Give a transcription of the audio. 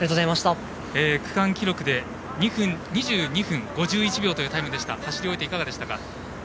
区間記録で、２２分５１秒というタイムでしたが走り終えていかがでしたか？